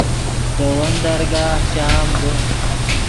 دے ون درگاہ چام دے